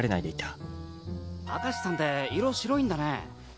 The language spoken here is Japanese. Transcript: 明石さんって色白いんだね。